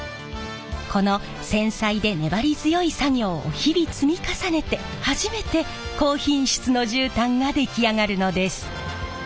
この繊細で粘り強い作業を日々積み重ねて初めて高品質の絨毯が出来上がるのです。